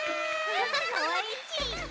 かわいいち！